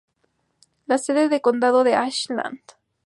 La sede de condado es Ashland.